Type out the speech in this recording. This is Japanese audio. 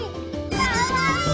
かわいい！